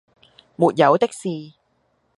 「沒有的事……」